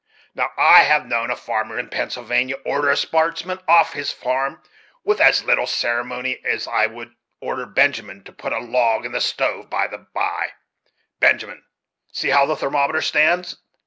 Now, I have known a farmer in Pennsylvania order a sportsman off his farm with as little ceremony as I would order Benjamin to put a log in the stove By the bye, Benjamin, see how the thermometer stands.